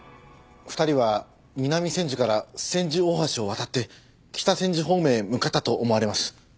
２人は南千住から千住大橋を渡って北千住方面へ向かったと思われます。